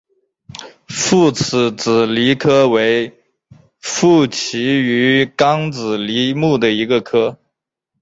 复齿脂鲤科为辐鳍鱼纲脂鲤目的一个科。